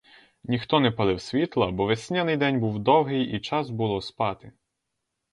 Ніхто не палив світла, бо весняний день був довгий і час було спати.